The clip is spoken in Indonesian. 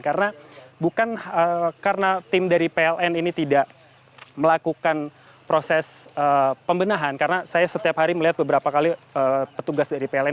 karena bukan karena tim dari pln ini tidak melakukan proses pembenahan karena saya setiap hari melihat beberapa kali petugas dari pln datang ke sini untuk melakukan pengecekan